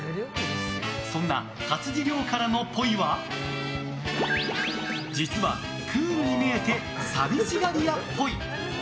そんな勝地涼からのぽいは実はクールに見えて寂しがり屋っぽい。